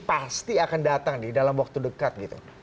pasti akan datang di dalam waktu dekat